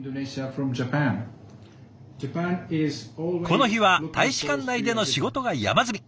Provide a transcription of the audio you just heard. この日は大使館内での仕事が山積み。